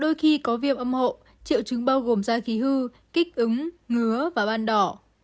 đôi khi có viêm âm hộ triệu chứng bao gồm da khí hư kích ứng ngứa và ban đỏ